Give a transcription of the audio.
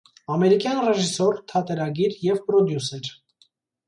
Ամերիկյան ռեժիսոր, թատերագիր և պրոդյուսեր։